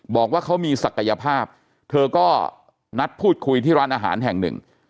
บอกว่าเขามีศักยภาพเธอก็นัดพูดคุยที่ร้านอาหารแห่งหนึ่ง